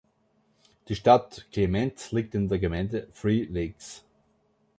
Die Stadt Clements liegt in der Gemeinde Three Lakes.